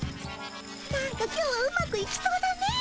なんか今日はうまくいきそうだね。